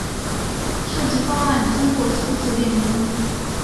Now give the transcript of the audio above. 设计方案经过数次变更。